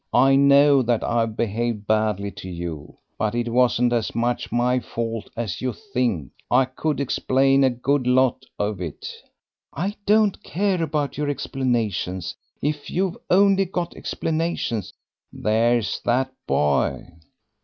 I know that I've behaved badly to you, but it wasn't as much my fault as you think; I could explain a good lot of it." "I don't care about your explanations. If you've only got explanations " "There's that boy."